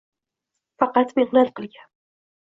Faqat mehnat qilgan